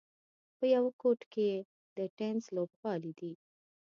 په یوه ګوټ کې یې د ټېنس لوبغالی دی.